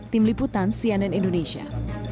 tim liputan cnn indonesia